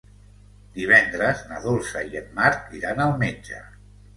Divendres na Dolça i en Marc iran al metge.